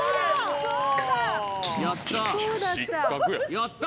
やった！